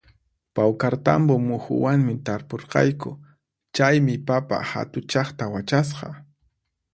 Pawkartambo muhuwanmi tarpurqayku, chaymi papa hatuchaqta wachasqa